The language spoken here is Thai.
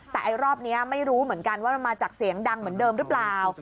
แต่ไอ้รอบนี้ไม่รู้เหมือนกันว่ามันมาจากเสียงดังเหมือนเดิมหรือเปล่า